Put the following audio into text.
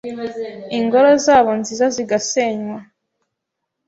ingoro zabo nziza zigasenywa